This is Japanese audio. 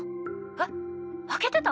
「えっあけてた！？」